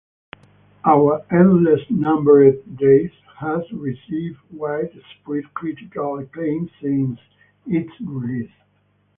"Our Endless Numbered Days" has received widespread critical acclaim since its release.